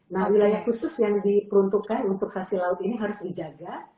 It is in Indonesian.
nah wilayah khusus yang diperuntukkan untuk sasi laut ini harus dijaga